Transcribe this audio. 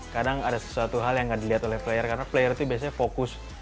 kadang ada sesuatu hal yang gak dilihat oleh player karena player itu biasanya fokus